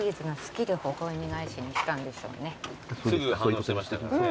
すぐ反応してましたからね。